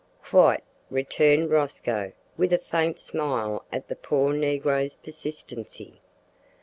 "Quite," returned Rosco, with a faint smile at the poor negro's persistency.